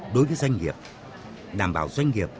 đối với doanh nghiệp đảm bảo doanh nghiệp